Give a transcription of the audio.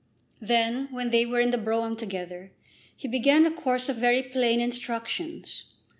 Then, when they were in the brougham together, he began a course of very plain instructions.